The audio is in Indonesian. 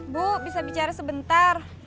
bu bisa bicara sebentar